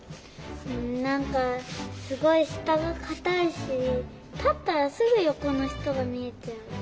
なんかすごいしたがかたいしたったらすぐよこのひとがみえちゃう。